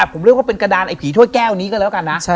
ผมเรียกว่าเป็นกระดานไอผีถ้วยแก้วนี้ก็แล้วกันนะ